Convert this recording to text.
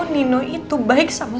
sini tuh gini